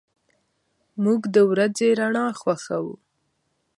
موږ د ورځې رڼا خوښو.